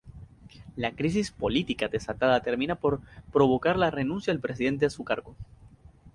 La crisis política desatada termina por provocar la renuncia del presidente a su cargo.